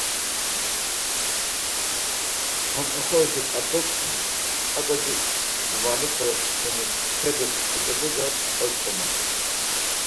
Ham oxorişi ǩat̆uk aǩo cumalepe çkuni mteli oç̌opu do oç̌ǩomu.